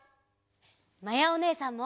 まやおねえさんも！